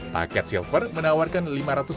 paket silver menawarkan lima ratus item dan paket gold